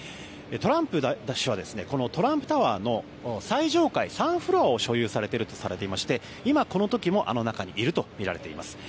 トランプ氏はこのトランプタワー最上階の３フロアを所有されているとされていまして今、この時もあの中にいるとみられています。